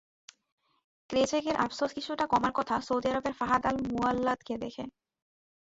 ত্রেজেগের আফসোস কিছুটা কমার কথা সৌদি আরবের ফাহাদ আল মুয়াল্লাদকে দেখে।